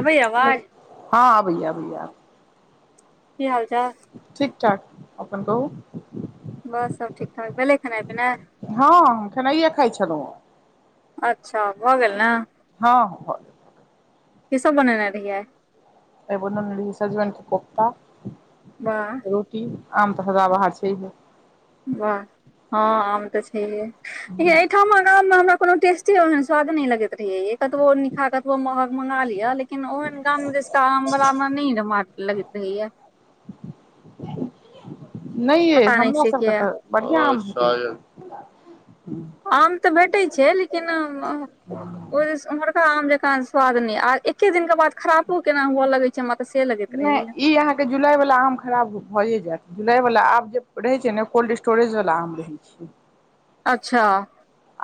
आबेय हेलो आवाज हँ, आबे या कि हाल चाल ठीक ठाक, अपन कहू? बस सभ ठीक ठाक भेलै खेनाइ पिनाइ हँ, खेनाइए खाइ छलहूँ अच्छा भऽ गेल न हँ, भऽ गेल ई सभ बनेने रहियै एहि बनले सजीवन कऽ को्ता बाह। रोटी आम तऽ सदबाजर छै हे वाह हँ आम तऽ छै एहिठाम आम मे हमरा कोनो टेस्ट स्वाद नहि लगैत रहेय कतबो निका कतबो महग मंगा लिये लेकिन लेकिन ओहेन गाम मे जसा आम वलामे नहि लगैत रहेया नहि ये पता हमरा से सभके किया तऽ बढ़िआँ आम छै आम तऽ भेते छै, लेकिन ओ उमहरका आम जक स्वाद ने आ एके दिनके बाद खरापो केना हु लगे छै चमत स से लगै नहि ई अहा के जुलाई वला आम खरा भए जायत जुलाई वाला आब जे रहे छै ने कोल्ड स्टोरेज वाला आम रहे छै [inaudible] अच्छा।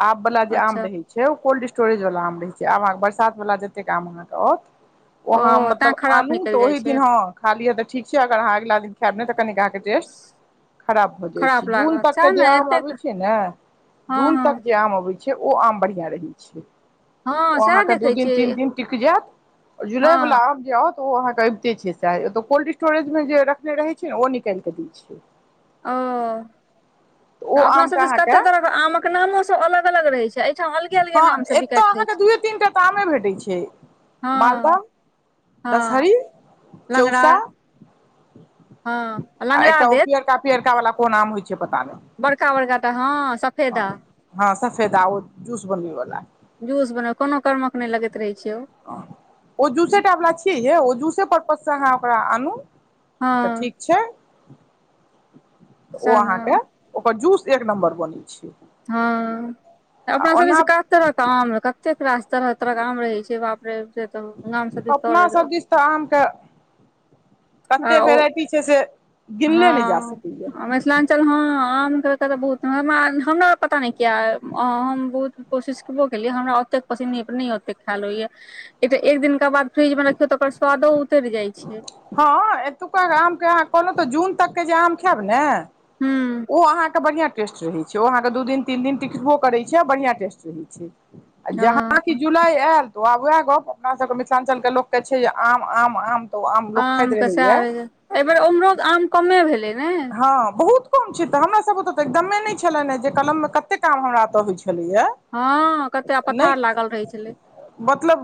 आम वला जे आम अच्छा रहैत छै ओ कोल्ड स्टोरेजवला आम रहैत छै आब अहाँकेँ बरसातवला जतेक आम अहाँकेँ आओत ओ अहाँ तें मतलब खराब आनू तऽ निकलि जाइ ओहि छै दिन हँ खाली तऽ ठीक छै अगर अहाँ अगिला दिन खायब नहि तऽ का टेस्ट खराब भऽ जाय छै खराब दुन लागत पर सएह के जे ने आम एतेक आवै छै ने हँ तक हँ आम अबै छै ओ आम बढ़िआ रहै छै हँ ओ सएह अहाँकेँ दू देखै दिन छी तीन दिन टिक जायत हँ जुलाई वला आउ तऽ ओ अहाँकेँ अबिते छै सऽ कोल्ड स्टोरेज मे जे रखने रहै छै ने ओ निकालि कऽ दै छै ओ तऽ ओ अपना आमके सभ ची अहाँके कते तरहक आम कऽ नामो सभ अलग लग अलग रहै छै एहिठाम अलगे अलगे हँ नाम सँ एतय बिकाइत रहै अहाँके छै। दूए तीन टा तऽ आमे भेटै छै हँ, मालदह हँ, दशहरी लगड़ा। चौसा आ लंगरा एकटा ओ देत पियरका पियरका वाला कोन आम होइ छै पता नहि बड़का बड़का तऽ हँ सभ हँ सफेदा ओ जूस बनैवाला जूस बन कोनो कर्मक नहि लगैत रहै छै। ओ जूसेटा वला छियै ये ओ जूस अहाँ ओकरा आनू हँ तऽ ठीक छै ओ सएह ने अहाँकेँ ओकर जूस एक नम्बर बनैत छै। हँ आ अपना सभ जे ओना छै कऽ तरह कऽ आम कते रास तरह तरह के आम रहे छै बापरे [unintelligible] अपना सभ दिस तऽ आम केँ कते ओ वेराइटी छै से गिनले नहि जा सकैय य चल हँ आम केँ कऽ तऽ बहुत हमरा हमरा पता नहि किया हम बहुत कोशिस करबो केलियै हमरा ओतेक पसिनी नैय पर नहि ओतेक खयाल होइ य ई तऽ एक दिनका बाद फ्रीज मे रखियौ तऽ ओकर स्वादो उतरि जाइ छै हँ एतुका आम केँ अहाँ कहलहु तऽ जून तक केँ जे आम खायब ने हूँ ओ अहाँकेँ बढ़िआ टेस्ट रहै छै ओ अहाँकेँ दू दिन तीन दिन टिकटबो करै छै आ बढ़िआ टेस्ट रहै छै आ जहाँ हँ कि जुलाई आयल तऽ आब उएह गप अपना सभके मिथिलाञ्चल केँ लोक कऽ छै जे आम आम आम तऽ ओ आम लोक खइत रहै य एहिबेेर उम्हरोह आम कमे भेलै नै हँ बहुत कम छै तऽ हमरा सब ओतअ तऽ एकदमे नहि छलनि जे कलम मे कतेक आम हमरा ओतऽ होइ छलै य हँ कते आ पथार लागल रहै छलै मतलब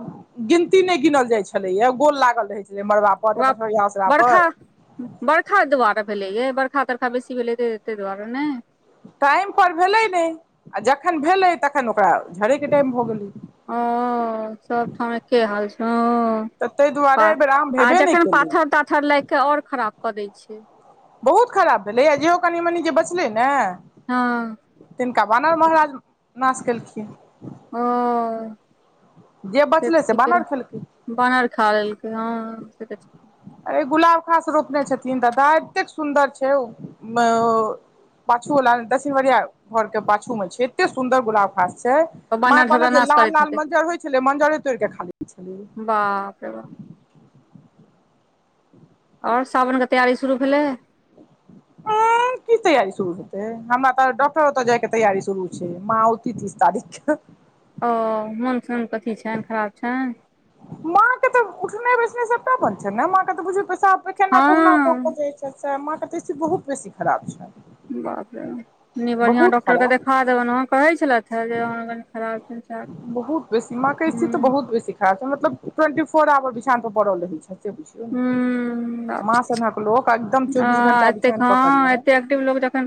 गिनती नहि गिनल जाइत छलै य गोल लागल रहैत छलै मड़बा पर तऽ [unintelligible] पसरिया ओसरा पर बर्खा बर्खा दुआरे भेलैय बरखा तरखा बेसी भेलै तइ ताहि दुआरे नहि टाइमपर भेलै नहि आ जखन भेलै तखन ओकरा झरैय केँ टाइम भऽ गेलै ओ सब ठम एके हाल छै हँ तऽ ताहि दुआरे पा एहि बेर आम आ भेबे नहि जखैन केलै पाथर ताथर लागि केँ आओर खराब कऽ दै छै बहुत खराब भेलै यऽ जेहो कनि मनि जे बचलै ने हँ तिनका बानर महाराज नाश केलखिन ओ जे से तऽ बचलै ठीके बानर खेलखिन बानर खा लेलकै हँ से तऽ अरे गुलाबखास रोपने छथिन दादा एतेक सुन्दर छै [unintelligible] पाछू वाला मे दक्षिन बरिया घर के पाछू मऽ छै एते सुंन्दर गुलाब खास छै माँ बानर सब कहलक जे नाश लाल करैत लाल हेतै मंजर होइ छले मंजरे तोड़ केँ खा लैय छलै बाप रे बाप आओर साावनके तैयारी शुरू भेलै [inaudible] की तैयारी शुरू हेतै हमरा तऽ डॉक्टर ओतऽ जाय केँ तयारी शुरु छै माँ औती तीस तारीख [inaudible] ओ मनसून कथी छनि खराब छनि माँ के तऽ उठनै बैसनाइ सबटा बन्द छै नऽ माँ केँ तऽ बुझयो पैसाब पेखाना कहुना कऽ हँ केँ जाय छै [unintelligible] बहुत बेसी खराब छ बाप रे नइ बढ़िया डॉक्टर केँ खराब देखा देबैन हँ कहै छलैथ [unintelligible] खराब छै बहुत बेसी माँ के स्थिति तऽ [unintelligible] [unintelligible] मतलब टूवेंटी फोर आवर बिछान पर पड़ल रहै छै से बुझियौ नऽ हुँ आ घंटा एतेक बिछान पकड़ने हँ है एतेक एक्टिव लोक जखैन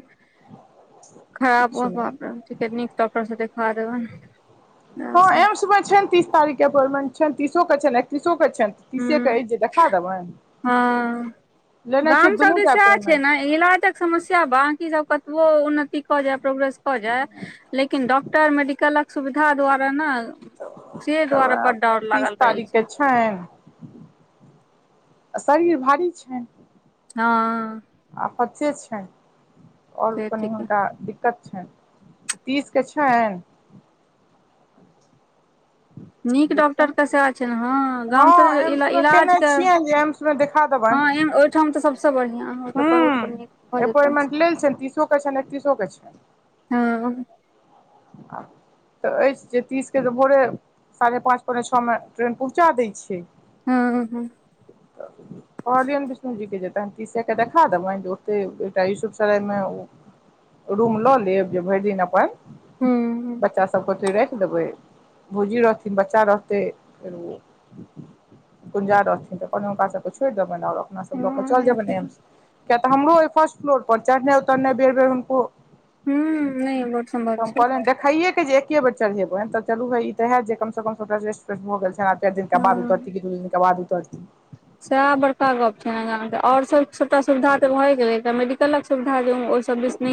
खराब किछु नहि बाप रे बाप ठीक नीक डॉक्टरसँ देखा देबैन हँ एम्समे छनि तीस तारीख केँ अपॉइंमेंट छनि तीसोके छनि एक्तीसो केँ छनि तीसे केँ हूँ अछि जे देखा देबनि हँ लेने छिये गाम सब दुनू दिस टा सएह छै अपॉइंटमेंट ने इलाजक समस्या बांकी सब कतबो उन्नति कऽ जाय प्रोग्रेस कऽ जाय लेकिन डॉक्टर मेडिकलक सुविधा द्वारा नऽ से तऽ दुआरे वएह बड्ड डर तीस लागल रहै छै [unintelligible] शरीर भारी छैन हँ अपचे छैन [inaudible] और से कनि ठीके हुनका दिक दिक्कत छैन [inaudible] तीस के छैन नीक देखियौ डॉक्टर क सै छै ह गाम स हँ एम्समे इलाज केने के छियनि जे एम्समे देखा [inaudible] देबनि ओह ठम त सबसे हूँ बढ़िया [inaudible] अपॉइंटमेंट लेल छनि तीसोके छनि एकतीसोके छनि हँ [unintelligible] तऽ एछि जे तीसके भोरे साढ़े पाँच पौने छःओ मे ट्रेन पहुँचा दैत छै [unintelligible] कहलियनि विष्णु जी के जेतैन तीस के देखा देबे बे यूसुफसराय मे रूम लऽ लेब जे भरि दिन अपन हूँ बच्चा सभके ओतै राखि देबै भौजी रहथिन बच्चा रहतै फेर ओ [inaudible] कुंजा रहथिन तऽ हुनका सब छोड़ देबइन और अपना सब लऽ कऽ हँ चल नहि जेबै न ठीक एम्स किया तऽ हमरो फर्स्ट फ्लोर पर चढ़इ उतरनाइ बेर बेर हुनको हूँ नए बहुत सम्भव छै कहलन देखैइ एके जे एके बेर चढ़ेबनि तऽ चलू ह ई तऽ हैत जे कमसँ कम ओत स रेस्ट भऽ गेल छनि चार दिन का बाद हँ उतरती कि दू दिन का बाद उतरती थी सएह बड़का गप छै ने ग आओर सभ सभटा सुविधा तऽ भए गेलै एक मेडिकलक सुविधा जे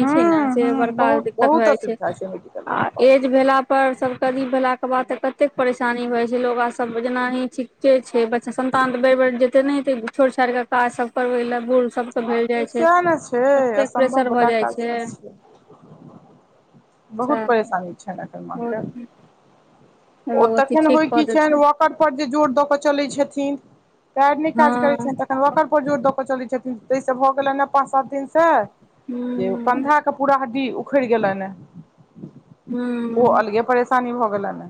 हूं से हूं बड़का बहुत दिक्कत बहुत भए जाइ असुविधा छै मेडिकल आ वला बाप एज भेल पर सब कदी भेला के बाद तऽ कतेक परेशानी होइ छै लोग आ सब जेना चिते छै बच्चा सब तह त बेरि बेर जेतै नहि एतै छोड़ि छाड़िकऽ काज सब करबै लए बुड़ सब सएह ने छै असम्भव भऽ बला जाइ काज सब छै [inaudible] बहुत सएह परेशानी छैन एखन माँ बहुत के ओ भगवती तखन ठीक होइ कऽ कि देथिन व पर जे जोर दऽ क चलैत छथिन त पैर नहि हँ काज करैत छथिन त [unintelligible] पर जोर दऽ कऽ चलैत छथिन त स भऽ गेले ने पाँच सात दिन से एगो हूँ कंधा के पूरा हड्डी उखड़ि गेलैन ह ओ हूँ अलगे परेशानी भऽ गेलन ह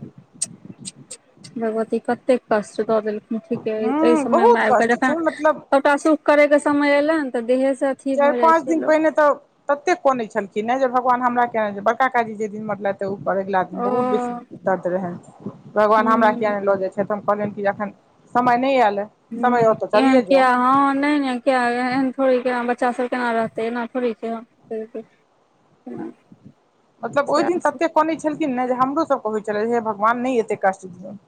[unintelligible] भगवती ई करतेक कष्ठ द देलनिख हेँ एहि हूँ समय मे बहुत आब कऽ कष्ट जखन छै मतलब सभटा सुख करे के समय एले तऽ देहे से अथी चारि भऽ जाइ पाँच छै दिन लोक पहिने ततेक कने छलखिन ह जे भगवान हमरा कहा बड़का काका जेहि दिन मर लाइथ तहु पर अगिला दिन मे ओ बहुत बेसी दर्द रहे भगवान हमरा किया हूँ ने लो जाय छै ते पर हम कहलियनि कि अखन समय नहि आयल हे [unintelligible] एहन किया ह ह [unintelligible] एन थोड़ी के बच्चा सब केना रहतै एना थोड़ी केना [unintelligible] मतलब ओहि दिन सब ततेक काने छलखिन न जे हमरो सभके होइ छलै जे हे भगवान नहि एतै कष्ट दिओन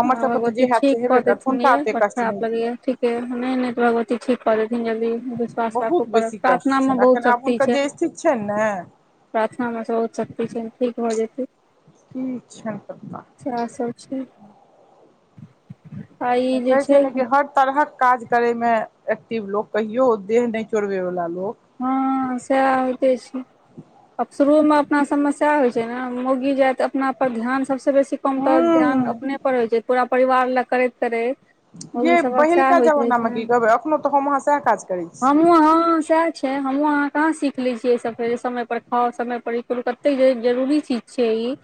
हमर हँ सभके तऽ भगवती जे हयैत ठीक से हेबे करत हुनका ओतेक कष्ट नहि दियअ क [unintelligible] भगवती ठीक कऽ देथिन यदी विश्वास राखो बहुत पड़त बेसी प्रार्थना कष्ट मे छनि बहुत एखन आब शक्ति हुनकर छै जे स्थिति छनि ने [inaudible] प्रार्थना बहुत शक्ति छै ठीक भऽ जेतै कि इ छैा सह सभ छै। आ ई जे कहै छै नै कि हर तरहक काज करेमे एक्टिव लोग कहियो देह नहि चोरबे वाला लोक हँ, सएह होइते छै। आब शुरू मे अपना समस्या होइ छै ने मौगी जाइ तऽ अपना पर ध्यान सभसँ बेसी कम तऽ ध्यान हूँ अपने पर होइ छै, पूरा परिवार लग करैत करैत। ओ ये सभ कऽ सह पहिलका होइत रहे जमानामे छै की कहबै एखनो तऽ हम अहाँ सएह काज करै हम छी ह छै हमहुँ अहाँ कहाँ सीख लै छियै एहि सबेर समय पर खाउ समय पर ई करू कतेक जरूरी चीज छिय ई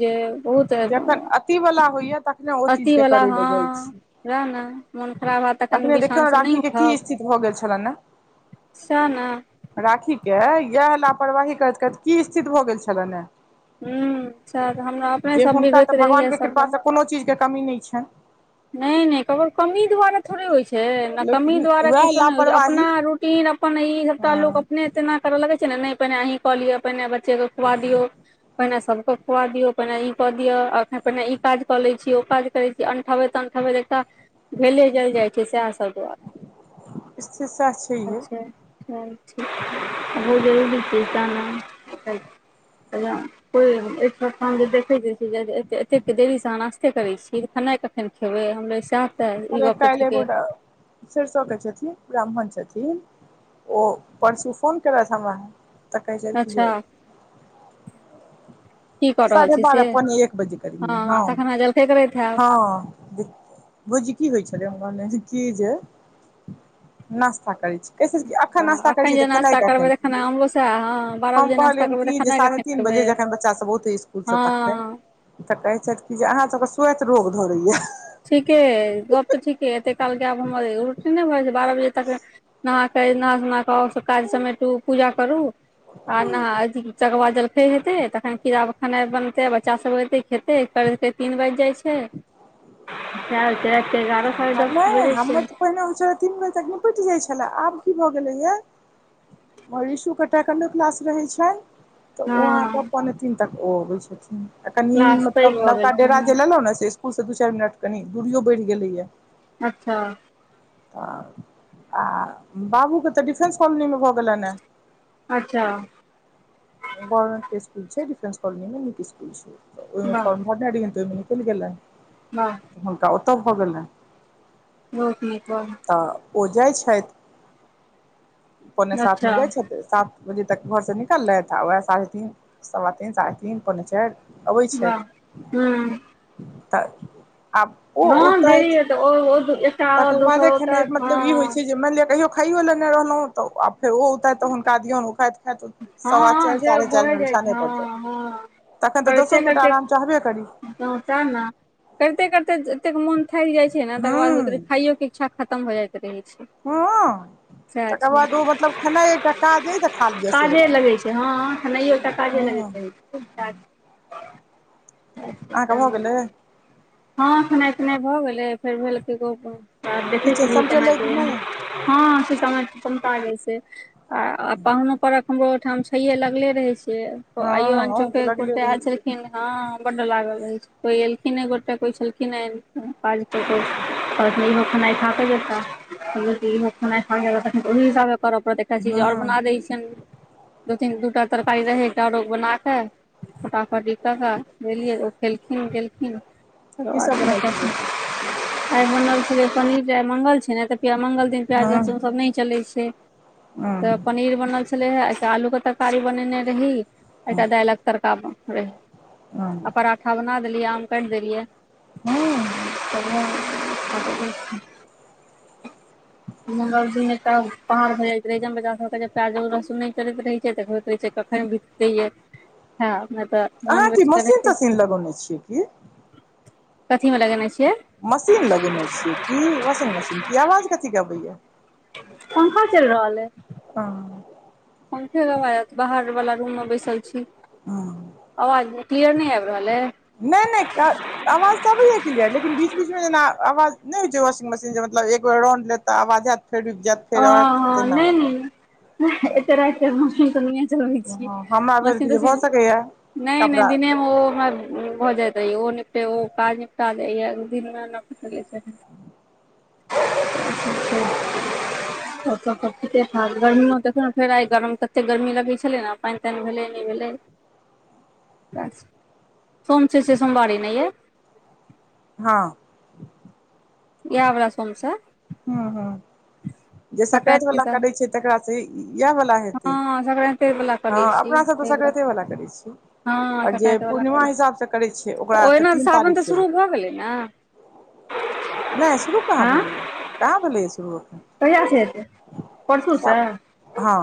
जे बहुत जखन अथी वला होइया तखने ओ चीज अथि के वला करै ह। लए जाइ छी रह ने, मोन खराब होत तखनि अखने देखियौ बिछन ने नहि राखी के की उठब स्थिति भऽ गेल छल ने सएह ने राखी के इएह लापरवाही करैत करैत कि स्थित भऽ गेल छलनि ह हू, सँ हमरा अपने जे सब हुनका तऽ बिगड़ैत भगवान रहैया के सब कृपासँ कोनो चीज के कमी नहि छैन नहि नहि ककरो कमी द्वारा थोड़े होइत छै, ने कमी लेकिन द्वारा उएह किछो नहि होइ छै। अपना लापरवाही रूटीन अपन इ सभटा लो हँ अपने एना करऽ लगै छै, ने नहि पहिने अही कऽ लियअ पहिने बच्चे के खुआ दियौ पहिने सभके पकआ दियौ पहिने ई कऽ दियौ पहिने ई काज कऽ लैत छै ओ काज करैत छी। तान, खाब एकटा। भेले जल जाइ छै सएह सभ स्थित सएह छैहे दुरेचा बहुत जरूरी छै, साना। कोठ देखैत एतेक देरीसँ नास्ते करैत छै खेनाइ फेन खेबे हमर साथ। अरे कायले कूटा। सरिसो के छथिन ब्राह्मण छथिन ओ परसू फोन केलखिन हमरा। तऽ कहे छथिन से हमरा कि जे अच्छा की कऽ रहल साढ़े छी बारह से पौनिय एक बजे करी ने हँ तखन अहाँ जलखै करैत हैब हँ भाउजी होइ छलै जे नास्ता करै छै। कै एखन नास्ता वाह करै एखन छी, तऽ जे खेनाइ नास्ता कख करबै तऽ खेनाइ खेब हमरो सएह हँ बारह हम बजे नास्ता कहलिय करबै तऽ कि खेनाइ कखन तीन खेबै बजे जखन बच्चा सभ बहुत स्कूल से हँ तखन तऽ कहै छथि कि जे अहाँ सभके स्वति रोग धरैया ठीके गप तऽ ठीके एते काल गायब हमर रुटी नहि भऽ छै, बारह बजे तक। नहा के नहा सना कऽ काज समेटू पूजा करु आ नहा चकवा जल। हेतै तखन कीड़ा खेनाइ बनतै बच्चा सभ एतै खेतै कर तीन बाजि जाइत छै। [inaudible] एक तऽ एारह साढ़े आ दश नहि बजे छै। हमर तऽ पहिने होइत छलै तीन बजे तक निपटि जाइत छलै आब कि भऽ गेलैया। मगर ऋषुके टैकेडो क्लास रहै छनि तऽ ओ अहाँकेँ हँ पथिन तक ओ अबै छथिन आ कनि क्लास पैघ मतलब भऽ गेल नवका छै डेरा जे लेलहुँ ने से स्कूलसँ दू चारि मिनट कनि दूरो बढ़ि गेलैए अच्छा। तऽ आ बाबू के तऽ डिफेंस कॉलोनी मे भऽ गेल न अच्छा। गवर्नमेंट के स्कु छैडिफेंस कलजनी मे निक स्कूल वाह के मने अडगिन तऽ मिकलकेा हँ हुनका ओतऽ भऽ गेलनि बहुत ठीक ह तऽ ओ जाइ छथि पने साथमे अच्छा जाइ छथि साथ बजे तक घरसँ निकललथि आ वएह साढ़े ती सा तन साढ़े तन पाँच चारि अबै वाह छथि हूँ तऽ आब ओ न औतथि देरीत ओ एकटा आओर तकर दोसर बादे खेनाइ ओतऽ मतलब ई होइ हँ छै जे मइन लिअ कहियो खइयो लेने रहलहुँ तऽ आब फेरो औतथि तऽ हुनका दियउन उखाथि ह त सव हँ चार जे साढ़े चार भए मे जाइ छै बिछाने प जा हँ हँ तखन तऽ दसो मिनटटा आराम चाहबे कड़ी च ने करते करते एतेक मोन थाकि जाइ छै ने तकर बाद हूँ होइत खाइय के छा खतम हो जाइत रहै छै हँ सएह तकर बाद छै ओ मतलब खेनाइ एकटा काज अ तऽ खा लिअ सेवला काजे लगै छै हँ खेनाइयो एकटा काजे हँ [inaudible] सएह छै, अहाँके भऽ सएह छै। गेलै हँ खेनाइ पिनाइ भऽ गेलै फेर भेल ग देखै किचन छलियइ केना समटलै कि की नहि हँ सीतामढ़ी तमतागे छै आ पाहुनो पर हमरो ओहिठाम खये लगले रहे छ आइयो हँ अन हम चोख तऽ लगले के आयल छै रहियै खिन हँ बड्ड लागल अछि कोई एलखिन एगो कोइ छलखिन ह इहो खेनाइ खाक जेता तऽ ओहि हिसाबे करऽ पड़त जे अर हँ बना दैत छनि दू तीन दू टा तरकारी रहै एकटा रोग बना क फटाफट ता दियै ओ खेलखिन गेलखिन तक की बाद सब बनल छलै आइ बनल छै पनीर आइ मंगल छै ने किया मंगल दिन हँ प्याज लहसुन सब नय चलै छै हँ तऽ पनीर बनल छै छल हे एकटा आलूके तरकारी बनेने रही एकटा दाइलक तरका रहे अं पराठा बना देलियै आम काइट देलियै हँ मंगल दिन एतउ पहाड़ भऽ जाइत रहै बचाके काज रस नय करैत रहै छै तबैत कहै छै कखन बिततै य तऽ अहाँ नॉनवेज किसी के मशीन रहिते तशीन लगौने छियै की कथी मे लगेने छियै मशीन लगौने छीयै क वाशिंग मशीन क आवाज कथीे अबैया पंखा चइल रहल अय हं हुनके [unintelligible] बाहर वाला रूम मे बैसल छी हँ अवाज क्लियर नय आबि रहल हइ ने ने क तऽ आवाज क्लियर लेकिन बीच बीचमे जेना आवाज नहि होइ छै वाशिंगशीन जे मतलब एक बेर रउंड लेत तऽ आवाज हयत फेरुब जात ओ ह नय नय एतरेत क रहे छिए हँ हमरा भेल मसिन कि जे भऽ तसिन सकैया नय नय कपड़ा दिने मे ओ हमर भऽ जातै ओ निपे काज निपटा देय दिनमे ने छै। [inaudible] त सभ तऽ ठीके ठाक गर्मी मे देखौ ने फेर आइ गरम ततेक गरमी लगै छलै ने पानि तानि भेलै नहि भेलै सोम से सोमवरी छिए सोमवारी नहि ये हँ। यहा वला सोम छै ह, जे सक्राति संक्रान्ति वाला से करे छै तकरा से इएह वाला हँ संक्रान्ति वला करै छी अपना सभ तऽ ताहि दुआरे सक्राते वला करै छीय हँ आओर जे संक्रान्ति वला पूर्णिमा करै छी हिसाबसँ करै छै, ओकरा तऽ ओहिना तीन सावन तारीख तऽ सँ शुरू भऽ गेलै ने आँ नहि शुरू कहाँ भेलेए कहाँ भेलेए शुरू कहिआस से हेतै परसूसँ हा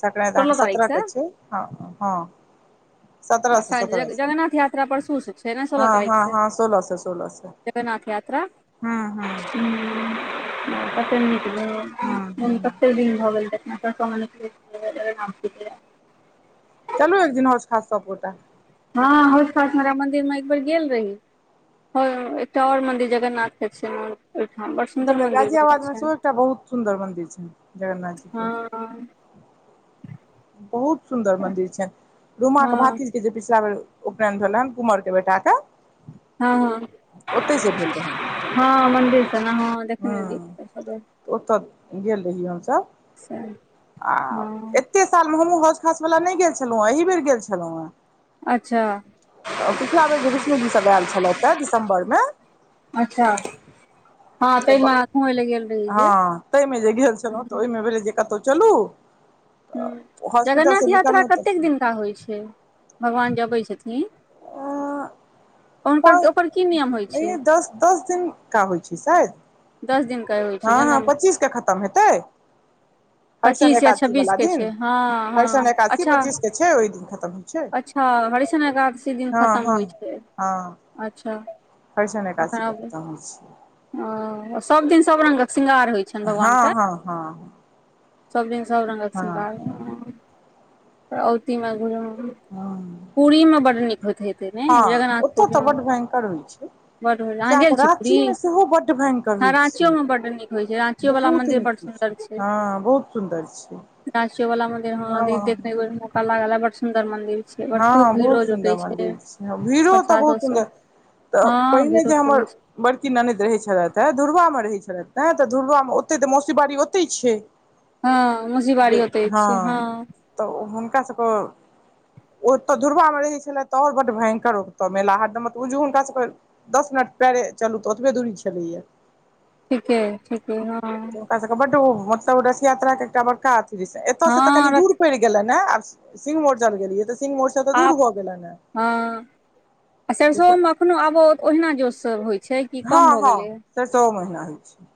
संकरैत‌ आहाके सोलह तारीख सतरै से के छै आ सत्ररह सँ सत्ररह सँ जगन्नाथ यात्रा परसू से छै ने सोलह हँ, तारीख हँ, से हँ सोल सँ सोल स जगन्नाथ यात्रा। ह, ह पस पस दिन हूँ हूँ भऽ गेलतना [unintelligible] नामै चलू एक दिन हैं खास सपोटा हँ, खास मार मन्दिरमे एक बेर गेल रही एकटा आओर मन्दिर जगन्नाथके छै। ओय ठाम। ए तऽ गाजियाबादमे सेहो एकटा बहुत सुन्दर मन्दिर छै, जगन्नाथ जी के आ। बहुत सुंन्दर मंदिर छै रूमा के हँ भाति ई जे पिछला बेर उपनयन भेलल हन कुमर के बेटा कऽ हँ। ओतहि सँ भेल रहै हँ मन्दिर तऽ ने हँ ह, देखने रहियै ओतऽ गेल रही हमसभ से आ एतेक सालमे हमहूँ हौस खास वला नहि गेल छलहुँ हँ एहि बेर गेल छलहुँ हा अच्छा। पिछिला बेर जे विष्णु जी सभ आयल छलैथ हं दिसम्बरमे अच्छा। हँ ताहिमे घुमय लए गेल रही ह, जे ताहिमे जे गेल छलहुँ तऽ हूँ ओहिमे भेल जे कतहु चलू? हॉस्पिटल से जगन्नाथ यात्रा निकललहुँ तऽ कतेक दिनका होइ छै, भगवान जे अबै छथिन। हुनकर ओकर की नियम होइ पई छै दस दिन का होइ छै, शायद दस दिन कऽ होइ छै हँ हँ जनम पच्चीस के खतम हेतै हरिशन पच्चीस या एकादशी छब्बीस वाला के दिन छै, हँ, हरिशन हँ एकादशी अच्छा। पच्चीस के छै ओहि दिन खतम होइ छै हँ, हरिश गादसी दिन हँ खतम हँ होइ छै। हँ। अच्छा। हरिशन तखन एकासी के आब खतम होइ छियै। ओ सभ दिन सभ रंगक श्रृंगार होइ छै। हँ हँ हँ सबदिन सभ रंगक हँ शृंगार हँ औतीमे घ [unintelligible] हँ पूरी मे बड्ड नीक होइत हेत ने हँ ओतय जगनाथपुर तऽ बड्ड भयंकर होइ बड्ड होइत अहाँ गेल छी पुरी उहों बड्ड भयंकर हँ होइ छै राँचियोमे बड्ड नीक होइ छै राँचियोवला बहुत मन्दिर नीक बड्ड होइ सुन्दर छै हँ बहुत सुन्दर छै राँचियो वाला मंदिर हँ देखने मे के मौका लागल रहै बड्ड सुंदर मंदिर छै बड खूब हँ बहुत भीड़ो सुन्दर जुटे मन्दिर छै भीड़ो ओतऽ प्रसादो बहुत सुन्दर सब तऽ हँ पहिने भीड़ो जे हमर खूब छै बड़की ननद रहैत छलथि हेँ दुरवामे रहैत छलथि हेँ तऽ दुरवामे ओतहि तऽ मौसी बारी ओतहि छै हँ मौसिबारी ओतै छै हँ तऽ ओ हुनका सभके ओतय दुर्बामे रहै छलै तऽ आओर बड्ड भयंकर ओतऽ मेला हरदमत ओ हुनकास सभके दस मिनट पैरे चलू तऽ ओतबे दूरी छलैये ठीके ठीके हँ ओकरा सबके बड्ड मतलब रथ यात्रा के एकटा बड़का अथी जे एतय से तऽ कनी हँ दूर रथ पड़ि गेलैन ये आब सिंह मोर्चान केेलिय तऽ सिंह मोर्चा आब हँ लेकिन सरसोमे अखनो आबो ओहिना जोस सब होइ छै कि हँ कम भऽ हँ सैरसोवो मे ओहिना होइ छै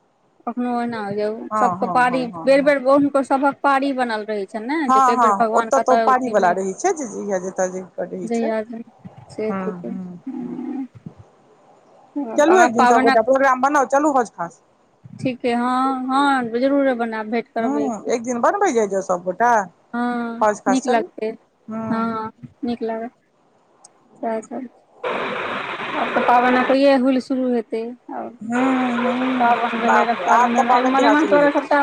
अखनो ओहिना होय छै हँ सबके हँ पारी हँ हँ बेर हँ बेर बौह हुनकर सभक पारी बनल रहै छै ने जे हँ कैय बेर हँ भगवान ओतऽ तऽ कतऽ पारी औउथिन नै वाला रहै छै जे जतऽ जकर रहै औथिन छै जहिया जे से हूँ ठीके हूँ हूँ हँ चलू एक दिनसब पाबनक गोटा प्रोग्राम बनाउ चलू हौज खास ठीके हँ हँ जरूर है बनायब भेट हूँ करबै एकदिन एक दिन बनबै जाइ जाउ सबगोटा हँ हौज खास नीक चलू लगतै हूँ हँ नीक लागत सएह सब आओर त पाबनि [inaudible] इहे हुइल शुरू हेतै आ हूँ हूँ भेलै बाप रऽ रे आब पाबैन तऽ एहि पाबनि तिहार मलेमास शुरू दुआरे हेतै सबटा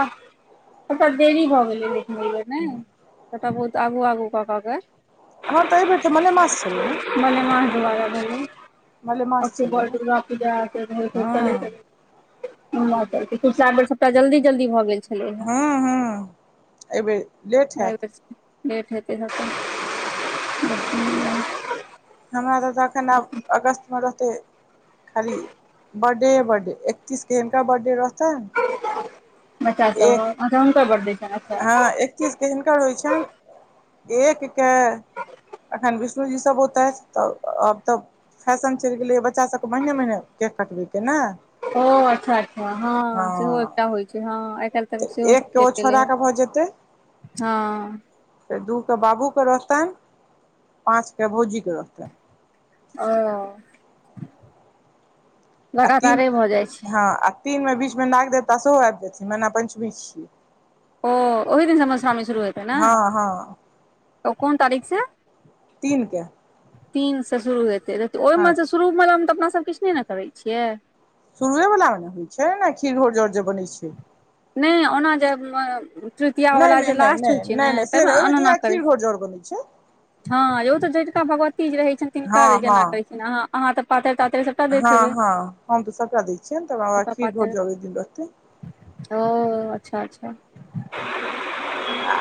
[inaudible] कटा देरी भऽ गेलै लखने ले ने कटा बहुत आगू आगू कऽ क के हँ तऽ एहिबेर तऽ मलेमास छलै ने मलेमास दुआरे भेलै मलेमास छलै बड़ ने दुर्गा पूजा हूँ [unintelligible] बेर सबटा जल्दी जल्दी भए गेल छलै हे ह्मँ ह्मँ एहिबेर लेट एहि हैत बेर लेट हेतै तऽ [unintelligible] हमरा सब तऽ अखन आब अगस्त मे रहतै खाली बर्थडे बर्थडे एकतीस के हीनका बर्थडे रहतै बच्चा सब हँ अच्छा हुनकर बड्डे छैनि अच्छा पच्चीसके हिनकर होइत छनि एक के अखन विष्णु जी सभ औतथि तऽ आब तब फैशन चलि गेलैए बच्चाभके महिने महिने केक कटबैके ने ओ अच्छा अच्छा हँ सेहो एकटा होइ छै हँ आइ काल्हि त तऽ सेहो एक सभ के चलि ओ गेले ह, छोड़ाके भऽ जेतै हँ फेर दूके बाबूके रहतैन पाँचके भौजीके रहतै ओ। आ तीन लगातारे भऽ जाइ छै हँ आ तीन मे बीच मे नाग देवता सेहो आबि जेथिन नाग पञ्चमी छियै। ओ ओहि दिन सँ मधुश्रावणी शुरू हेतै ने हँ हँ ओ कोन तारीख सँ तीन के। तीनसँ शुरू हेतै रह तऽ हँ ओहिमे शुरूमेल हम तऽ अपना सभ किछ नहि ने करै छियै। शुरुए वला मे ने होइ छै ने खीर होर जर जे बनै छै नहि ओना जे करब तृतीय नहि वला नहि जे नहि लास्ट होइ नहि छै ने नहि नहि से तब ने ओहिमे तऽ अनना उएह करै खीर घोरजौर बनै छै हँ ओ तऽ जोझका भगवती रहैत छनि तिनका हँ हँ जेना कहैत छनि अह अहाँ तऽ पातरि तातरिसभ हँ हँ हम तऽ सभटा दै छियनि त ओकरा सभटा खीर भर पातरि जले दिन रहतै ओ अच्छा, अच्छा आ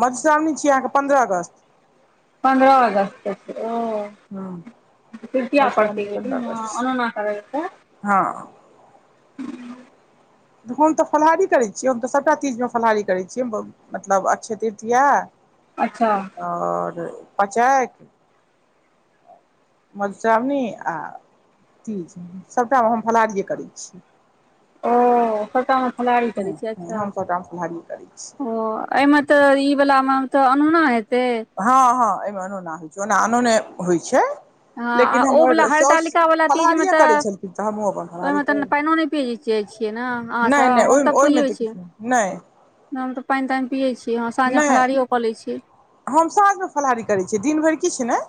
मधुश्रावणी छी अहाँकेँ पन्द्रह अगस्त पन्द्रह अगस्त के छै, हँ ओ तृतीया पड़ती मधुश्रावणी पन्द्रह अगस्त छै अनोना करे हँ। हम तऽ फलाहारी करे छियै हम तऽ सभटा चीजमे फलाहारी करे छियै मतलब, अक्षय तृतीया। अच्छा। ओर पचै मधुश्रावणी आ तीज सभटा मे हम फलहारिए करे छी ओ सभटा मे फलाहारी करै हँ छै हँ अच्छा हम सभटामे फलाहारिए करै छी ओ एहिमे तऽ ई वला मे तऽ अनूना हेते। हँ, हँ एहिमे आनूना होइ छै, ओना आनोने होइ छै। ह लेकिन ओ हमर वला साउस हड़तालिका वाला तीज मे फलाहारिए तऽ करै छलखिन तऽ हमहूँ अपन ओहि फलाहारी मे तऽ कर पानि नहि। छियै ने अहाँसँ नहि नहि हम ओहिमे तऽ ओहिमे पुबै छिये। किछु नहि हम तऽ पानि तानि पियै छियै हँ साँझमे नहि फलाहारि कऽ त छिये हम साँझ मे फलाहारी करे छियै दिन भरि किछ नहि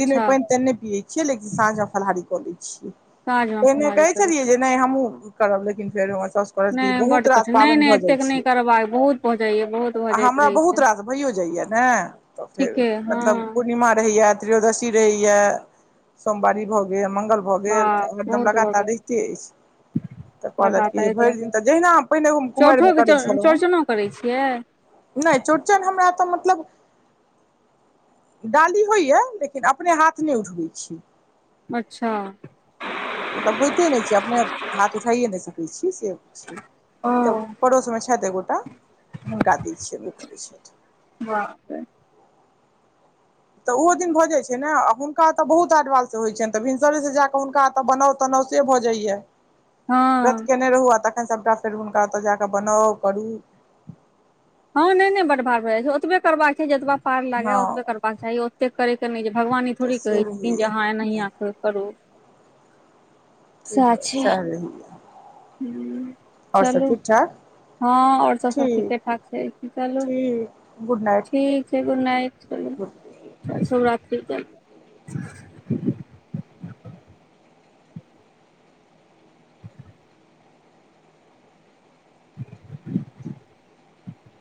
दिन मे पानि तानि नहि पियै लेकिन साँझ मे फलहारी कऽ लै छियै साँझमे एने फलाहारी कहै करै छलियै जे। नहि हमू करब लेकिन फेर छी नहि बड्ड बहुत रास कठिन नहि पाबनि नहि भऽ जाइ एतेक नहि छै करबाक बहुत भऽ जाइए बहुत भऽ आ जाइत हमरा रहै बहुत छै रात भयो जाइया ने त फेर ठीके हँ मतलब पूर्णीमा रहेया, त्रयोदशी रहेया सोमवारीऽ भगेल मंगल भऽ गेल बाप तऽ हरदम बहुत भऽ लगातार गेल रहिते अछि। तऽ कहलथि कि लगातार जे एते भरि दिन तऽ जहिना हम पहिने एगो कुमारिमे चौठोके करै छलहुँ चौरचनो करै हे। छियै नहि चौरचन हमरा तऽ मतलब डाली होइए लेकिन अपने हाथ नहि उठबैत छै। अच्छा। मतलब होइते नहि छै अपने हाथ उठाइए नहि सकेत छीयै से छै। ओ तऽ पड़ोसमे छथि एकगोटा हुनका दै छियें ओ करै छथि ब। तऽ ओहो दिन भऽ जाइत छै, ने हुनका एतऽ बहुत आडवाल सँ होइ छनि तऽ भिनसरे से ज कऽ हुनका एतऽ बनाउ बनाउ से भऽ जाइया। हँ। व्रत केयने रहु आ तखन सभटा फेर हुनका ओतऽ जाकऽ बनाउ करू हँ नहि नहि बड भार भए जाइ छै ओतबे करबाक चाही जतबा पार लागे ह हँ ओतबे करबाक चाही एतेक करय कऽ नहि जे भगवान ई तऽ थोड़ी से कहै छथिन जे अहाँ एनाहिये रहैया आ कऽ करू सैह छै हूँ [unintelligible] सब चलू ठीक ठाक हँ आओर सब सब ठीके ठीक ठाक छै [unintelligible] चलू गुड ठीक नाइट ठीक छै गुड नाइट गुड चलू सुभ रात्रि चलू [inaudible]